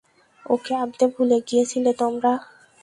ওকে আনতে ভুলে গিয়েছিলে তোমরা?